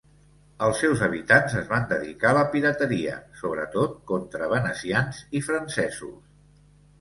Els seus habitants es van dedicar a la pirateria, sobretot contra venecians i francesos.